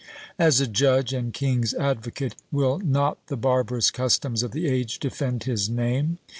As a judge, and king's advocate, will not the barbarous customs of the age defend his name?